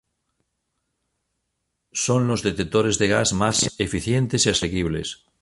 Son los detectores de gas más eficientes y asequibles.